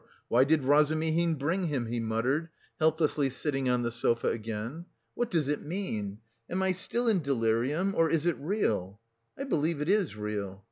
Why did Razumihin bring him?" he muttered, helplessly sitting on the sofa again. "What does it mean? Am I still in delirium, or is it real? I believe it is real....